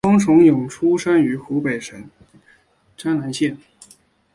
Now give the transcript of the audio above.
汪潮涌出生于湖北省蕲春县。